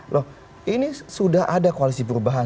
loh ini sudah ada koalisi perubahan